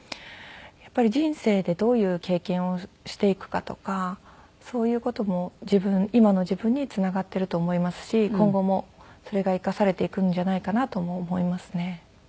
やっぱり人生でどういう経験をしていくかとかそういう事も今の自分につながっていると思いますし今後もそれが生かされていくんじゃないかなとも思いますね。